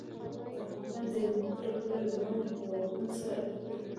افغانستان د هندوکش له پلوه له نورو هېوادونو سره اړیکې لري.